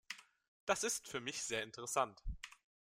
Das ist für mich sehr interessant.